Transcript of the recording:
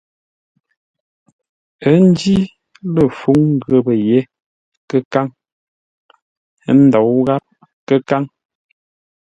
Ə́ njǐ lə̂ fúŋ ghəpə́ yé kə́káŋ, ə́ ndǒu gháp kə́káŋ.